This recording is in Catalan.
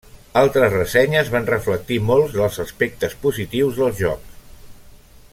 Altres ressenyes van reflectir molts dels aspectes positius del joc.